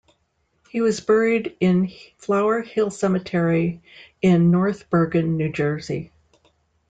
He was buried in Flower Hill Cemetery in North Bergen, New Jersey.